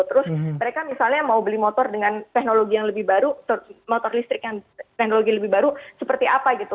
terus mereka misalnya mau beli motor dengan teknologi yang lebih baru motor listrik yang teknologi lebih baru seperti apa gitu